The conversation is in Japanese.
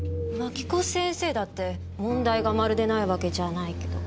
槙子先生だって問題がまるでないわけじゃないけど。